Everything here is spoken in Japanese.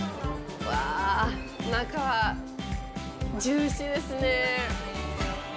わあ、中はジューシーですね。